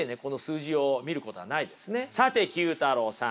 さて９太郎さん。